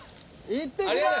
いってきまーす！